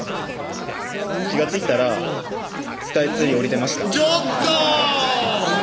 気が付いたらスカイツリー降りてましたちょっと！